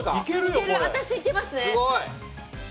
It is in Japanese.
私いけますね。